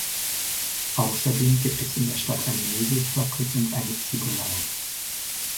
Außerdem gibt es in der Stadt eine Möbelfabrik und eine Ziegelei.